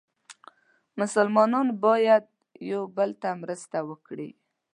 مسلمانان باید یو بل ته مرسته وکړي.